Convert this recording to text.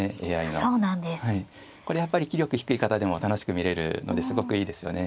これやっぱり棋力低い方でも楽しく見れるのですごくいいですよね。